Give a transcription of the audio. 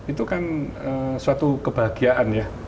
itu kan suatu kebahagiaan ya